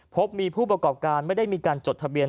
พบมีผู้ประกอบการไม่ได้มีการจดทะเบียน